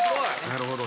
なるほど。